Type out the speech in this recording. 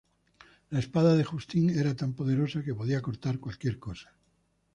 La espada de Justin era tan poderosa que podía cortar cualquier cosa.